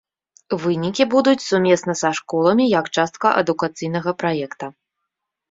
Вынікі будуць сумесна са школамі як частка адукацыйнага праекта.